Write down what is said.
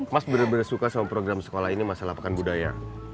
mas benar benar suka sama program sekolah ini masalah pekan budaya